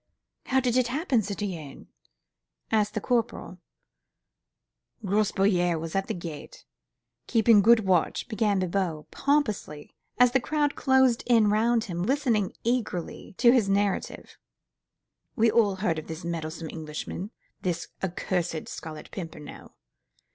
"How did it happen, citoyen?" asked the corporal. "Grospierre was at the gate, keeping good watch," began Bibot, pompously, as the crowd closed in round him, listening eagerly to his narrative. "We've all heard of this meddlesome Englishman, this accursed Scarlet Pimpernel.